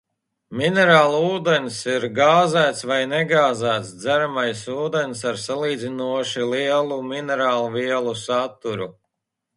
Minerālūdens ir gāzēts vai negāzēts dzeramais ūdens ar salīdzinoši lielu minerālvielu saturu.